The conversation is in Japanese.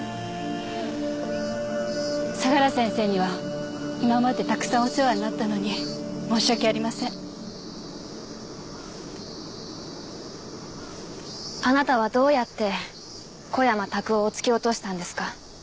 相良先生には今までたくさんお世話になったのに申し訳ありません。あなたはどうやって小山卓夫を突き落としたんですか？